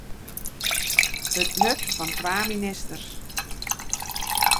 It nut fan twa ministers.